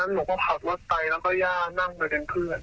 วางั้นหนูก็ผ่าวัดใต้แล้วก็ย่านั่งไปเป็นเพื่อน